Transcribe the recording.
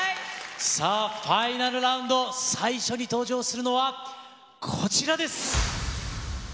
さあ、ファイナルラウンド、最初に登場するのはこちらです。